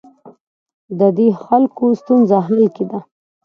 دا د خلکو ستونزو حل کې ده.